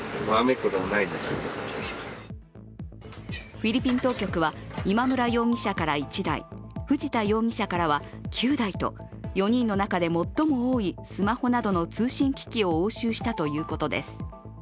フィリピン当局は今村容疑者から１台、藤田容疑者からは９台と４人の中で最も多いスマホなどの通信機器を押収したということです。